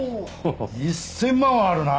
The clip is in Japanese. １０００万はあるな。